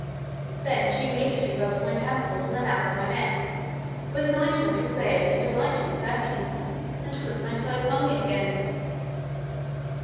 Then she immediately rubs my temples and the nape of my neck with an ointment exhaling a delightful perfume, and puts my clothes on me again.